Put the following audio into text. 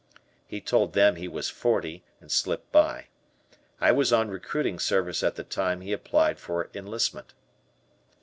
He told them he was forty and slipped by. I was on recruiting service at the time he applied for enlistment.